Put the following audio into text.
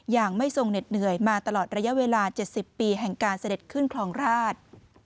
อย่างไม่ทรงเหน็ดเหนื่อยมาตลอดระยะเวลา๗๐ปีแห่งการเสด็จขึ้นคลองราช